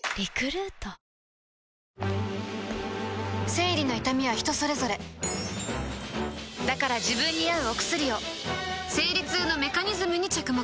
生理の痛みは人それぞれだから自分に合うお薬を生理痛のメカニズムに着目